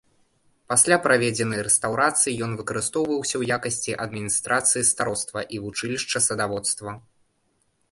Пасля праведзенай рэстаўрацыі ён выкарыстоўваўся ў якасці адміністрацыі староства і вучылішча садаводства.